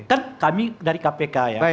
kan kami dari kpk ya